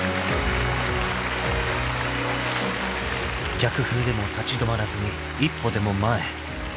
［逆風でも立ち止まらずに一歩でも前へ］